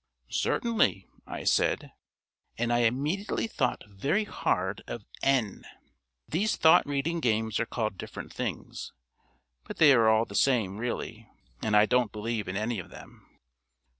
"Certainly," I said, and I immediately thought very hard of N. These thought reading games are called different things, but they are all the same, really, and I don't believe in any of them.